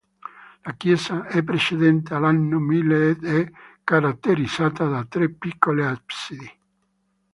La chiesa è precedente all'anno mille ed è caratterizzata da tre piccole absidi.